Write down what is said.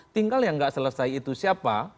tinggal yang nggak selesai itu siapa